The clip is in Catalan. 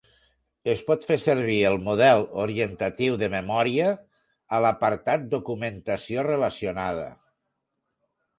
Es pot fer servir el model orientatiu de memòria a l'apartat Documentació relacionada.